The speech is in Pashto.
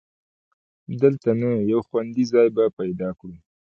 دلته نه، یو خوندي ځای به پیدا کړو.